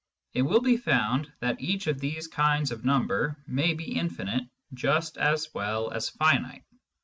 It will be found that each of these kinds of number may be infinite just as well as finite.